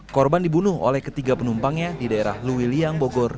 korban dibunuh oleh ketiga penumpangnya di daerah luiliang bogor